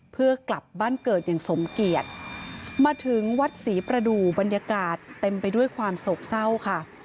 เพื่อกลับบ้านเกิดอย่างสมเกียจมาถึงวัดศรีประดูกบรรยากาศเต็มไปด้วยความโศกเศร้าค่ะ